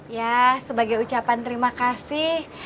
ya sebagai ucapan terima kasih